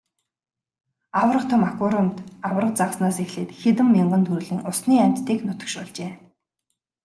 Аварга том аквариумд аварга загаснаас эхлээд хэдэн мянган төрлийн усны амьтдыг нутагшуулжээ.